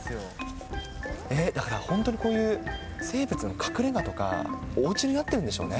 ええっ、だから本当にこういう、生物の隠れがとか、おうちになってるんでしょうね。